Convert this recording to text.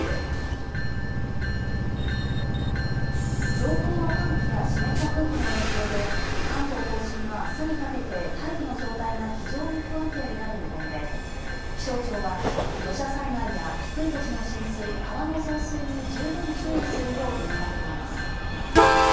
上空の寒気や湿った空気の影響で関東甲信はあすにかけて大気の状態が非常に不安定になる見込みで気象庁は土砂災害や低い土地の浸水、川の増水に十分注意するよう呼びかけています。